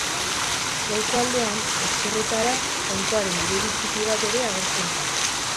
Goiko aldean, ezkerretara, Jainkoaren irudi txiki bat ere agertzen da.